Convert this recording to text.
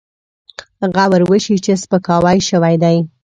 غور وشي چې سپکاوی شوی دی.